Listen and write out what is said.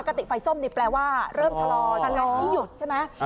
ปกติไฟส้มนี่แปลว่าเริ่มชะลอชะลอไม่หยุดใช่ไหม